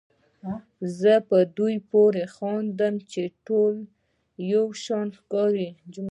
زه په دوی پورې خاندم چې ټول یو شان ښکاري.